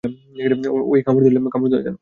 ওউ, কামড় দিলে কেন?